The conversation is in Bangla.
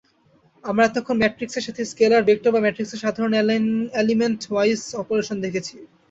আমরা এতক্ষন ম্যাট্রিক্সের সাথে স্কেলার, ভেক্টর বা ম্যাট্রিক্সের সাধারন এলিমেন্টওয়াইজ অপারেশন দেখেছি।